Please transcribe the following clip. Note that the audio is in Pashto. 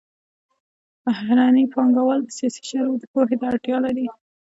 بهرني پانګوال د سیاسي شرایطو پوهې ته اړتیا لري